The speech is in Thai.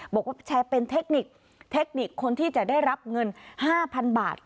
บอกว่าแชร์เป็นเทคนิคเทคนิคคนที่จะได้รับเงิน๕๐๐๐บาท